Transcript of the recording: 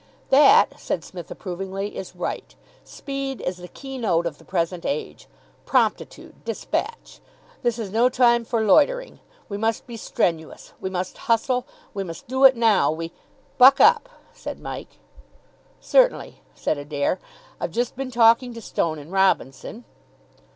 "That," said Psmith approvingly, "is right. Speed is the key note of the present age. Promptitude. Despatch. This is no time for loitering. We must be strenuous. We must hustle. We must Do It Now. We " "Buck up," said Mike. "Certainly," said Adair. "I've just been talking to Stone and Robinson."